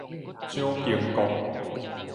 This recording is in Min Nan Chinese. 蔣經國